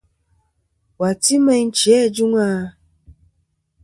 Wà ti meyn chi ajûŋ a?